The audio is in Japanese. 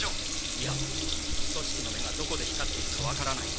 いや「組織」の目がどこで光っているか分からない。